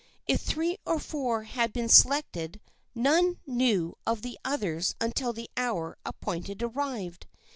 If three or four had been selected none knew of the others until the hour appointed arrived.